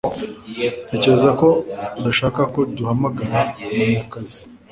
Natekereje ko udashaka ko duhamagara Munyakazi